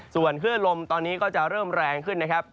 ส่วนคลื่นลมตอนนี้ก็จะเริ่มแรงขึ้นนะครับ